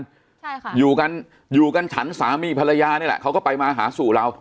ใช่ค่ะอยู่กันอยู่กันฉันสามีภรรยานี่แหละเขาก็ไปมาหาสู่เรา